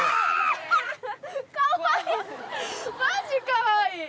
マジかわいい！